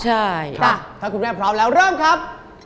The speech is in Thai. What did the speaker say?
ใช่ถ้าคุณแม่พร้อมแล้วเริ่มครับ